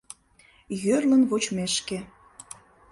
— Йӧрлын вочмешке.